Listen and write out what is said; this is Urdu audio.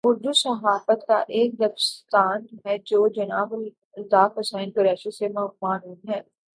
اردو صحافت کا ایک دبستان ہے جو جناب الطاف حسن قریشی سے معنون ہے۔